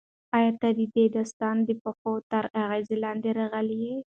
ایا ته د دې داستان د پېښو تر اغېز لاندې راغلی یې؟